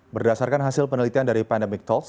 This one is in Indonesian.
berdasarkan hasil penelitian dari pandemic talks